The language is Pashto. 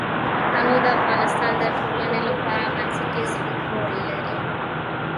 تنوع د افغانستان د ټولنې لپاره بنسټيز رول لري.